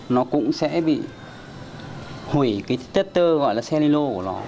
nó cũng sẽ bị hủy cái tết tơ gọi là cellulose của nó